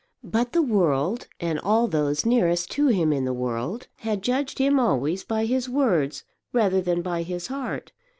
But the world, and all those nearest to him in the world, had judged him always by his words rather than by his heart.